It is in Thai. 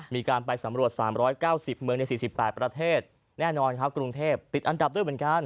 มีการไปสำรวจ๓๙๐เมืองใน๔๘ประเทศแน่นอนครับกรุงเทพติดอันดับด้วยเหมือนกัน